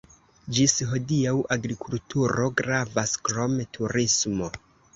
Ĝis hodiaŭ agrikulturo gravas, krom turismo.